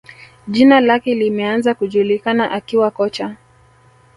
Jina lake limeanza kujulikana akiwa kocha